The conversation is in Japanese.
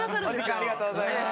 ありがとうございます。